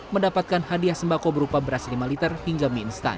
mendapatkan hadiah sembako berupa beras lima liter hingga mie instan